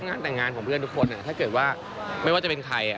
งานแต่งงานของเพื่อนทุกคนถ้าเกิดว่าไม่ว่าจะเป็นใคร